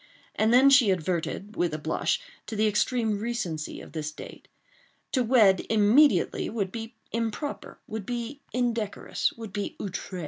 And then she adverted, with a blush, to the extreme recency of this date. To wed immediately would be improper—would be indecorous—would be outre.